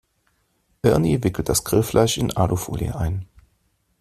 Ernie wickelt das Grillfleisch in Alufolie ein.